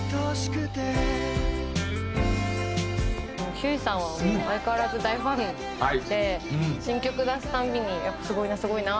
ひゅーいさんは相変わらず大ファンで新曲出すたびにやっぱすごいなすごいなって思ってて。